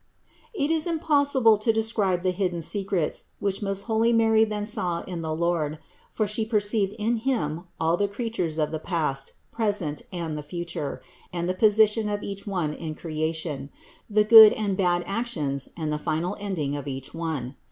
52. It is impossible to describe the hidden secrets, which most holy Mary then saw in the Lord; for She perceived in Him all the creatures of the past, present and the future, and the position of each one in creation, the good and bad actions and the final ending of each one.